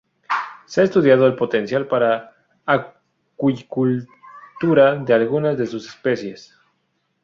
Se ha estudiado el potencial para acuicultura de algunas de sus especies.